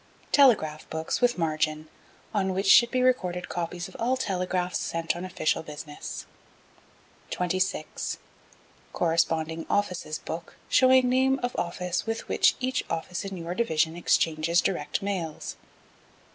Telegraph Books with margin, on which should be recorded copies of all telegraphs sent on official business. 26. Corresponding Offices Book shewing name of Office with which each Office in your Division exchanges direct mails.